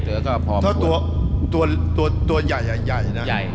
ถ้าตัวใหญ่ใหญ่นะ